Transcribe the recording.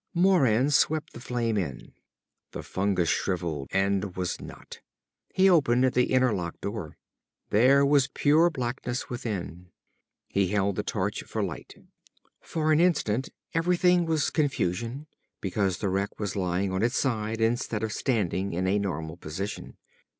Moran swept the flame in. The fungus shriveled and was not. He opened the inner lock door. There was pure blackness within. He held the torch for light. For an instant everything was confusion, because the wreck was lying on its side instead of standing in a normal position.